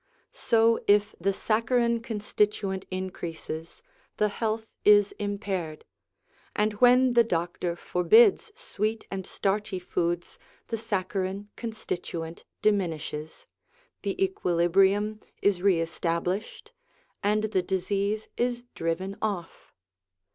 So, if the saccharine constituent increases, the health is impaired; and when the doctor forbids sweet and starchy foods the saccharine constituent diminishes, the equilibrium is re established, and the disease is driven off.